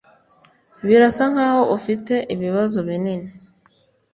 Birasa nkaho ufite ibibazo binini.